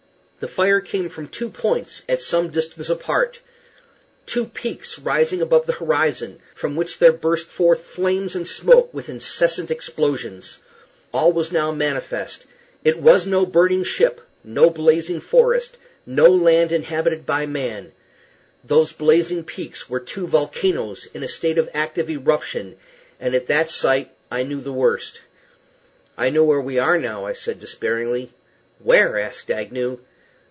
The fire came from two points, at some distance apart two peaks rising above the horizon, from which there burst forth flames and smoke with incessant explosions. All was now manifest. It was no burning ship, no blazing forest, no land inhabited by man: those blazing peaks were two volcanoes in a state of active eruption, and at that sight I knew the worst. "I know where we are now," I said, despairingly. "Where?" asked Agnew.